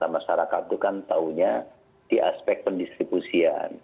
masyarakat itu kan tahunya di aspek pendistribusian